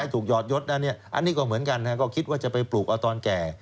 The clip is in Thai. ถูกยอดยศก็เหมือนกันคิดว่าจะไปปลูกเอาตอนแก่